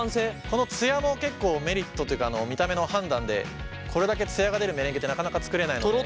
この艶も結構メリットとというか見た目の判断でこれだけ艶が出るメレンゲってなかなか作れないので。